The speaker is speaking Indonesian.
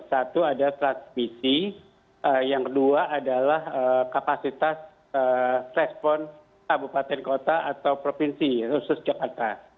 satu ada transmisi yang kedua adalah kapasitas respon kabupaten kota atau provinsi khusus jakarta